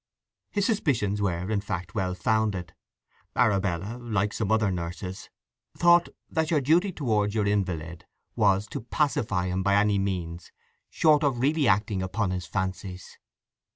His suspicions were, in fact, well founded. Arabella, like some other nurses, thought that your duty towards your invalid was to pacify him by any means short of really acting upon his fancies.